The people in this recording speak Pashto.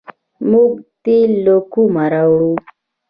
موږ تیل له کومه راوړو؟